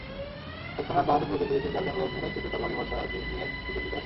তৎক্ষণাৎ বাহাদুর প্রকৃতির তিন-চারজন লোক ঘোড়ায় চেপে তরবারি-বর্শা নিয়ে দ্রুত ছুটে আসে।